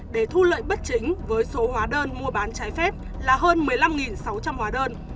để thu lợi bất chính với số hóa đơn mua bán trái phép là hơn một mươi năm sáu trăm linh hóa đơn